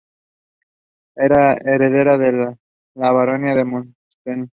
Era heredera de la Baronía de Montseny.